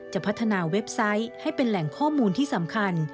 จะพัฒนาเว็บไซต์ให้เป็นแหล่งข้อมูลที่สำคัญ